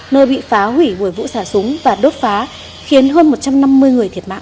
nơi bị phá hủy bởi vụ xả súng và đốt phá khiến hơn một trăm năm mươi người thiệt mạng